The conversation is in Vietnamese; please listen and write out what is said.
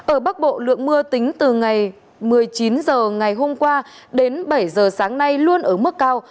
ở bắc bộ lượng mưa tính từ ngày một mươi chín h ngày hôm qua đến bảy giờ sáng nay luôn ở mức cao